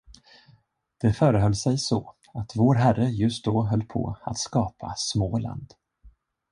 Det förehöll sig så, att Vår Herre just då höll på att skapa Småland.